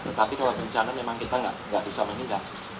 tetapi kalau pencanaan memang kita nggak bisa meninggalkan